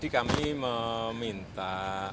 jadi kami meminta